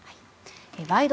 「ワイド！